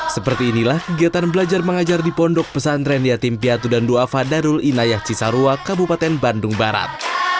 seperti inilah kegiatan belajar mengajar di pondok pesantren yatim piatu dan ⁇ doafa ⁇ darul inayah cisarua kabupaten bandung barat